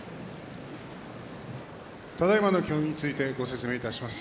ただいまの協議についてご説明します。